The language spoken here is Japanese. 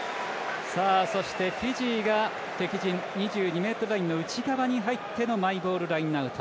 そして、フィジーが敵陣２２ｍラインの内側に入ってのマイボールラインアウト。